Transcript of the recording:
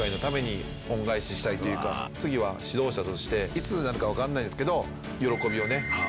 したいというか。としていつになるか分かんないですけど。